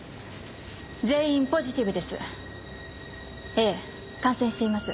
全員ポジティブです。